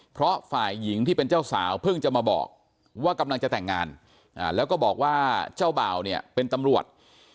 เพราะฝ่ายหญิงที่เป็นเจ้าสาวเพิ่งจะมาบอกว่ากำลังจะแต่งงานแล้วก็บอกว่าเจ้าบ่าวเนี่ยเป็นตำรวจ